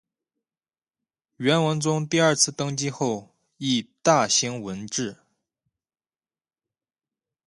元文宗第二次登基后亦大兴文治。